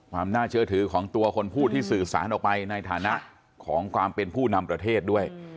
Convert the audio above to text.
ความน่าเชื่อถือของตัวคนผู้ที่สื่อสารออกไปในฐานะของความเป็นผู้นำประเทศด้วย